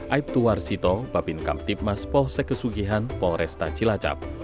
aib tuwarsito bapin kamtipmas polsek kesugihan polresta cilacap